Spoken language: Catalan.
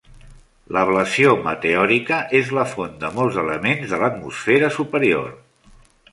L'ablació meteòrica és la font de molts elements de l'atmosfera superior.